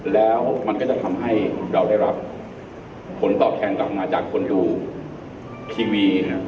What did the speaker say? แล้วมันก็จะทำให้เราได้รับผลตอบแทนกลับมาจากคนดูทีวี